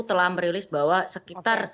telah merilis bahwa sekitar